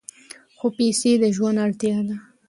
خو پیسې د ژوند اړتیا ده.